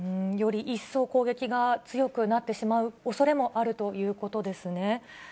より一層、攻撃が強くなってしまうおそれもあるということですね。